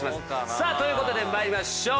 さあということで参りましょう。